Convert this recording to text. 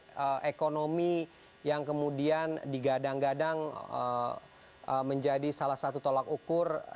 kemudian ekonomi yang kemudian digadang gadang menjadi salah satu tolak ukur